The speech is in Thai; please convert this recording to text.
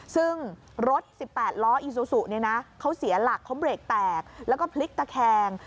ซึ่งรถ๑๘ล้ออีซูซูเนี่ยนะเขาเสียหลักเขาเบรกแตกแล้วก็พลิกตะแคง